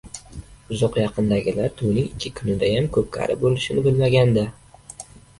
Uzoq-yaqindagilar to‘yning ikki kunidayam ko‘pkari bo‘lishini bilmagan-da!